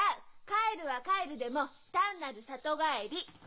帰るは帰るでも単なる里帰り。